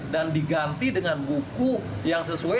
dan diganti dengan buku yang sesuai